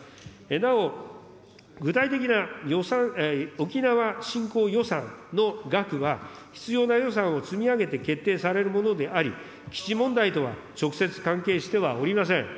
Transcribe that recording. なお、具体的な沖縄振興予算の額は、必要な予算を積み上げて決定されるものであり、基地問題とは直接関係してはおりません。